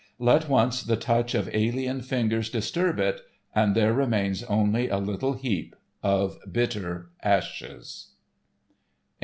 Let once the touch of alien fingers disturb it, and there remains only a little heap of bitter ashes.